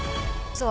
そう。